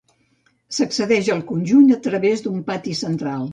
S'accedeix al conjunt a través d'un pati central.